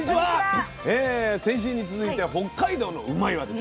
先週に続いて北海道のうまいッ！